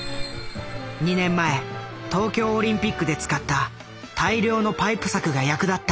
２年前東京オリンピックで使った大量のパイプ柵が役立った。